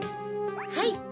はい！